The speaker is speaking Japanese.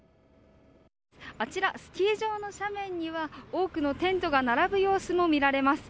あちら、スキー場の斜面には多くのテントが並ぶ様子も見られます。